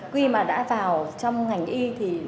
quy mà đã vào trong ngành y thì